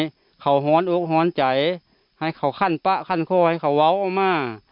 ให้เขาหอนอกหอนใจให้เขาขั้นป๊ะขั้นคอให้เขาเว้าออกมา